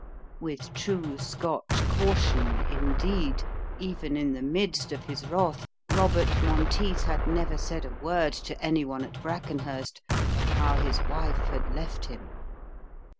With true Scotch caution, indeed, even in the midst of his wrath, Robert Monteith had never said a word to any one at Brackenhurst of how his wife had left him.